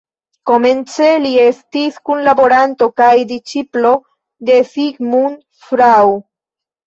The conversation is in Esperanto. Komence li estis kunlaboranto kaj disĉiplo de Sigmund Freud.